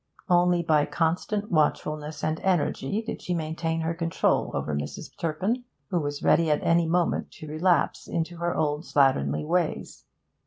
Only by constant watchfulness and energy did she maintain her control over Mrs. Turpin, who was ready at any moment to relapse into her old slatternly ways.